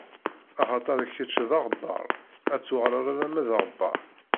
Axaṭer, kečč d aɣebbaṛ, ad tuɣaleḍ alamma d aɣebbaṛ.